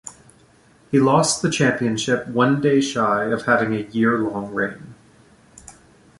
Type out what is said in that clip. He lost the championship one day shy of having a year-long reign.